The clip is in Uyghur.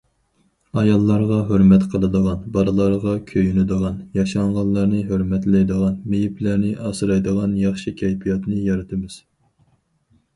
ئاياللارغا ھۆرمەت قىلىدىغان، بالىلارغا كۆيۈنىدىغان، ياشانغانلارنى ھۆرمەتلەيدىغان، مېيىپلەرنى ئاسرايدىغان ياخشى كەيپىياتنى يارىتىمىز.